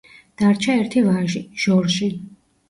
დარჩა ერთი ვაჟი, ჟორჟი.